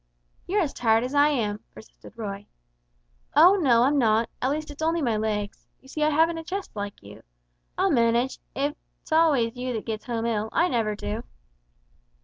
"You're as tired as I am," persisted Roy. "Oh, no, I'm not at least it's only my legs. You see I haven't a chest like you. I'll manage, it's always you that gets home ill, I never do."